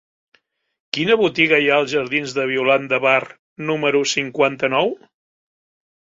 Quina botiga hi ha als jardins de Violant de Bar número cinquanta-nou?